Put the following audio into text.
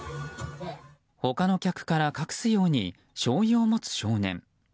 他の客から隠すようにしょうゆを持つ少年。